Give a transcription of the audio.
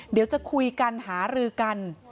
เดี๋ยวจะคุยกันหารือกัน